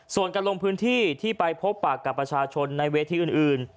ส่วนการลงพื้นที่ที่ไปพบปากกับประชาชนในเวทีอื่น